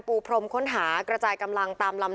พรมค้นหากระจายกำลังตามลำ